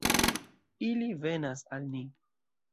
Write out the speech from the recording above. Ili venas al ni.